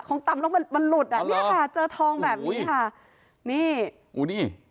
ต่ำแล้วมันมันหลุดอ่ะเนี่ยค่ะเจอทองแบบนี้ค่ะนี่อู้นี่